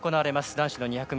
男子２００ｍ。